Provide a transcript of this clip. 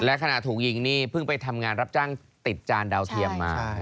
และขณะถูกยิงนี่เพิ่งไปทำงานรับจ้างติดจานดาวเทียมมา